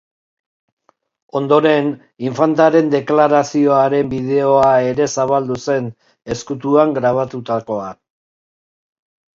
Ondoren, infantaren deklarazioaren bideoa ere zabaldu zen, ezkutuan grabatutakoa.